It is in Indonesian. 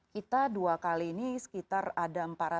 kita dua kali ini sekitar ada empat ratus